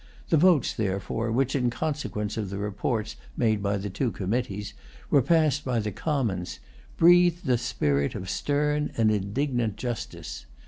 The votes, therefore, which, in consequence of the reports made by the two committees, were passed by the Commons, breathed the spirit of stern and indignant justice.